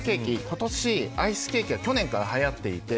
今年、アイスケーキが去年から流行っていて。